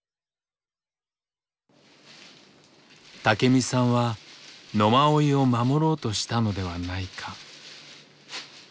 武身さんは野馬追を守ろうとしたのではないか。